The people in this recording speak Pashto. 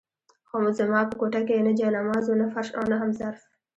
خو زما په کوټه کې نه جاینماز وو، نه فرش او نه هم ظرف.